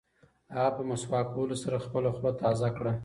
هغه په مسواک وهلو سره خپله خوله تازه کړه.